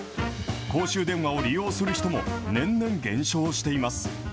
公衆電話を利用する人も年々減少しています。